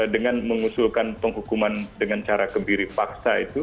dengan mengusulkan penghukuman dengan cara kebiri fakta itu